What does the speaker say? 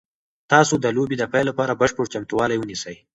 تاسو د لوبې د پیل لپاره بشپړ چمتووالی ونیسئ.